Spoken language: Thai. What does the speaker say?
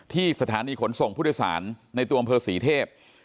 ที่สถานีขนส่งผู้โดยสารในตัวอำเภอศรีเทพ